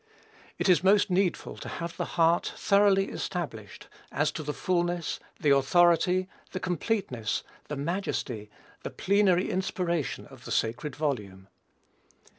It is most needful to have the heart thoroughly established as to the fulness, the authority, the completeness, the majesty, the plenary inspiration of the sacred volume.